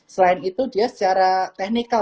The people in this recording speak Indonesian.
selain itu dia secara teknikal